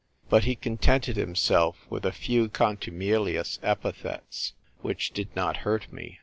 But he contented himself with a few contumelious epithets, which did not hurt me.